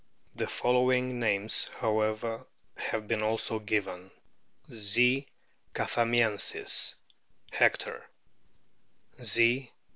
The following names, however, have been also given : Z. chathamiensis, Hector; Z.